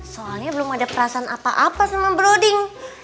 soalnya belum ada perasaan apa apa sama browding